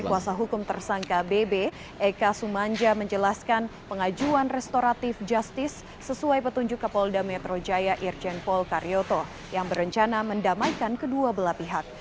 kuasa hukum tersangka bb eka sumanja menjelaskan pengajuan restoratif justice sesuai petunjuk kapolda metro jaya irjen pol karyoto yang berencana mendamaikan kedua belah pihak